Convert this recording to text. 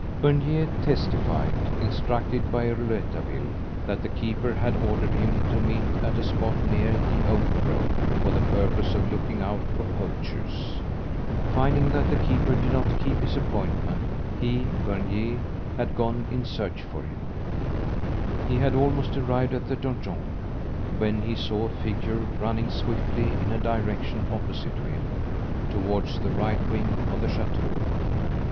Bernier testified, instructed by Rouletabille, that the keeper had ordered him to meet at a spot near the oak grove, for the purpose of looking out for poachers. Finding that the keeper did not keep his appointment, he, Bernier, had gone in search of him. He had almost arrived at the donjon, when he saw a figure running swiftly in a direction opposite to him, towards the right wing of the chateau.